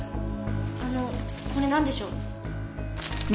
あのこれなんでしょう？